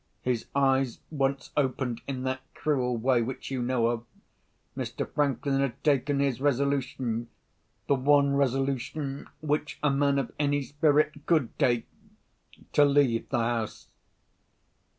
His eyes once opened in that cruel way which you know of, Mr. Franklin had taken his resolution—the one resolution which a man of any spirit could take—to leave the house.